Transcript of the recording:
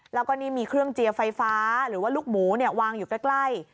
แล้วก็นี่มีเครื่องเจียร์ไฟฟ้าหรือว่าลูกหมูวางอยู่ใกล้